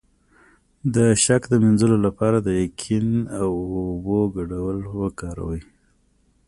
د شک د مینځلو لپاره د یقین او اوبو ګډول وکاروئ